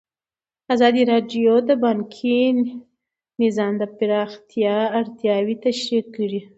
ازادي راډیو د بانکي نظام د پراختیا اړتیاوې تشریح کړي.